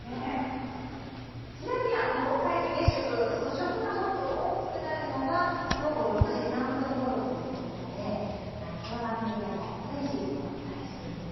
ちなみにほぼ皆既月食、食が最も大きくなるのが午後６時３分ごろということで、この番組でも随時お伝えしていきます。